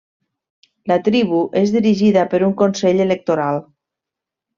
La tribu és dirigida per un consell electoral.